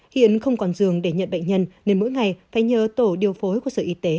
hiện không còn giường để nhận bệnh nhân nên mỗi ngày phải nhờ tổ điều phối của sở y tế